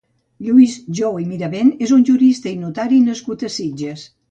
Lluís Jou i Mirabent és un jurista i notari nascut a Sitges.